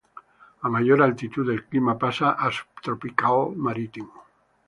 A mayor altitud el clima pasa a subtropical marítimo.